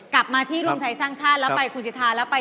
กลับมาที่รุ่นไทยสร้างชาติ